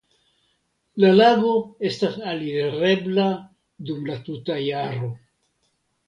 La lago estas alirebla dum la tuta jaro.